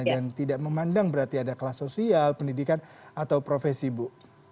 dan tidak memandang berarti ada kelas sosial pendidikan atau profesi bu